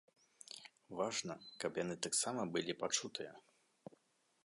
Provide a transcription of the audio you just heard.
Важна, каб яны таксама былі пачутыя.